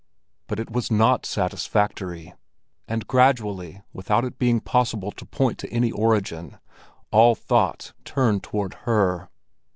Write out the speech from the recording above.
But it was not satisfactory! And gradually, without it being possible to point to any origin, all thoughts turned toward her.